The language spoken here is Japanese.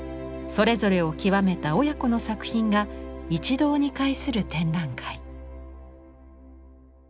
それぞれを極めた親子の作品が一堂に会する展覧会。